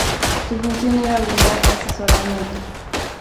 Su función era brindar asesoramiento.